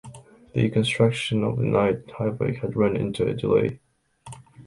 The construction of the night highway had run into a delay.